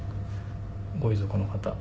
ご遺族の方